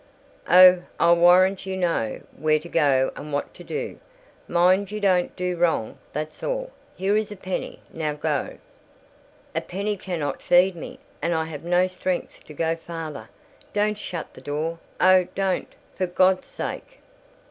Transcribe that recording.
"Oh, I'll warrant you know where to go and what to do. Mind you don't do wrong, that's all. Here is a penny; now go—" "A penny cannot feed me, and I have no strength to go farther. Don't shut the door:—oh, don't, for God's sake!"